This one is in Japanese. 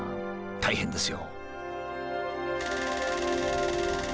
大変ですよ。